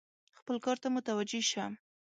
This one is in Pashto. خپل کار ته متوجه شه !